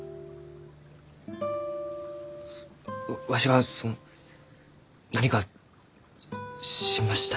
わしがその何かしましたでしょうか？